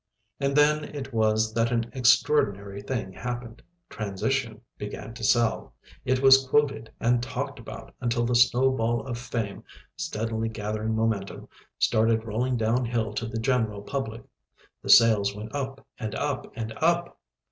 And then it was that an extraordinary thing happened "Transition" began to sell. It was quoted and talked about until the snowball of fame, steadily gathering momentum, started rolling down hill to the general public. The sales went up and up and up.